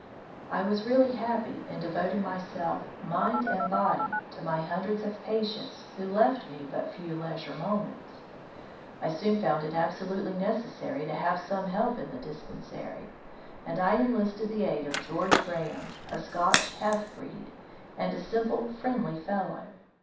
I was really happy in devoting myself mind and body to my hundreds of patients who left me but few leisure moments. I soon found it absolutely necessary to have some help m the dispensary, and I enlisted the aid of George Graham, a Scotch half breed, and a simple, friendly fellow.